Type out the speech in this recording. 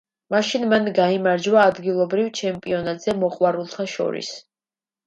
მაშინ მან გაიმარჯვა ადგილობრივ ჩემპიონატზე მოყვარულთა შორის.